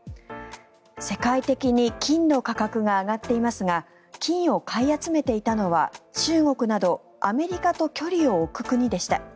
世界的に金の価格が上がっていますが金を買い集めていたのは中国などアメリカと距離を置く国でした。